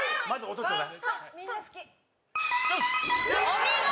お見事！